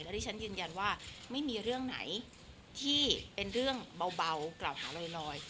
ที่ฉันยืนยันว่าไม่มีเรื่องไหนที่เป็นเรื่องเบากล่าวหาลอย